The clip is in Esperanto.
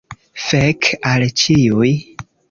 Fek al ĉiuj.